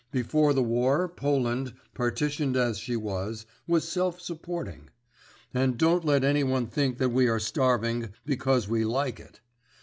Before the war Poland, partitioned as she was, was self supporting. And don't let anyone think that we are starving because we like it.